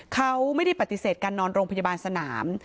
เขาไม่ได้ปฏิเสธการนอนโรงพยาบาลสนาม